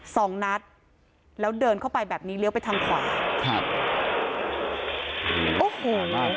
สองนัดแล้วเดินเข้าไปแบบนี้เลี้ยวไปทางขวาครับโอ้โห